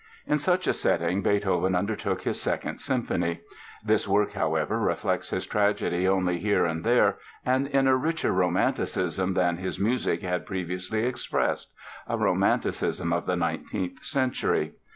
In such a setting Beethoven undertook his Second Symphony. This work, however, reflects his tragedy only here and there and in a richer romanticism than his music had previously expressed—a romanticism of the nineteenth century.